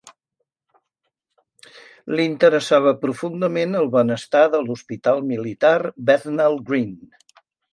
L'interessava profundament el benestar de l'Hospital Militar Bethnal Green.